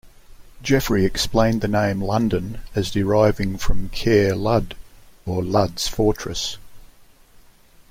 Geoffrey explained the name "London" as deriving from "Caer Lud", or Lud's Fortress.